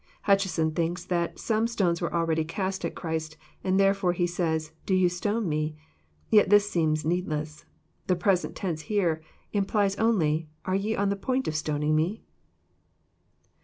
Hutcheson thinks that "some stones were already cast at Christ, and therefore He says. Do you stone Me?" Yet this seems needless. The present tense here implies only, Are ye on the point of stoning Me